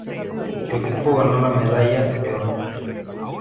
Su equipo ganó la medalla de oro.